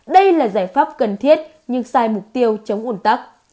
đây là giải pháp cần thiết nhưng sai mục tiêu chống ủn tắc